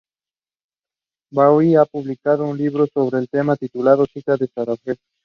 Bayarri ha publicado un libro sobre el tema, titulado "Cita en Sarajevo".